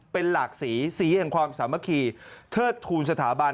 เป็นหลากสีสีแห่งความสามัคคีเทิดทูลสถาบัน